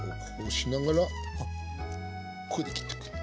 これで切っていく。